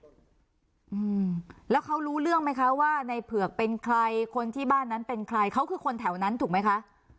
อืมแล้วเขารู้เรื่องไหมคะว่าในเผือกเป็นใครคนที่บ้านนั้นเป็นใครเขาคือคนแถวนั้นถูกไหมคะ